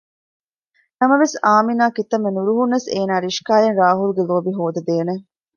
ނަމަވެސް އާމިނާ ކިތަންމެ ނުރުހުނަސް އޭނާ ރިޝްކާއަށް ރާހުލްގެ ލޯބި ހޯދައިދޭނެ